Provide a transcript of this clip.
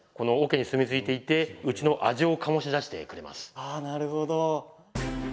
あなるほど。